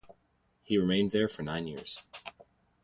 He remained there for nine years.